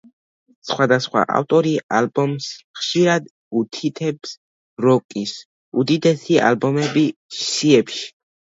სხვადასხვა ავტორი ალბომს ხშირად უთითებს როკის უდიდესი ალბომები სიებში.